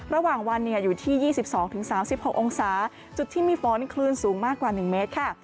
ระหว่างวันอยู่ที่๒๒๓๖องศาจุดที่มีฝนคลื่นสูงมากกว่า๑เมตรค่ะ